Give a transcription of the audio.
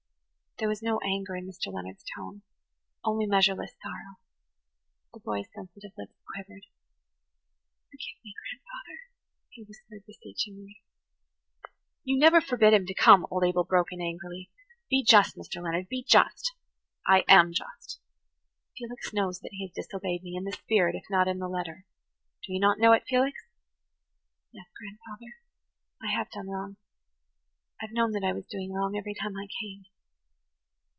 There was no anger in Mr. Leonard's tone–only measureless sorrow. The boy's sensitive lips quivered. "Forgive me, grandfather," he whispered beseechingly. "You never forbid him to come," old Abel broke in angrily. "Be just, Mr. Leonard–be just." "I am just. Felix knows that he has disobeyed me, in the spirit if not in the letter. Do you not know it, Felix?" "Yes, grandfather, I have done wrong–I've known that I was doing wrong every time I came.